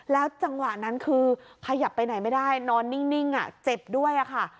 จังหวะนั้นคือขยับไปไหนไม่ได้นอนนิ่งเจ็บด้วยค่ะ